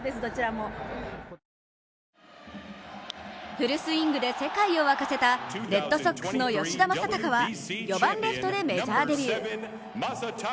フルスイングで世界を沸かせたレッドソックスの吉田正尚は４番・レフトでメジャーデビュー。